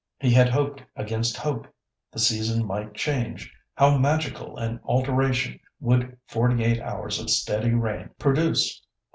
He had hoped against hope. The season might change. How magical an alteration would forty eight hours of steady rain produce!